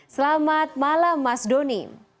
selamat malam mas doni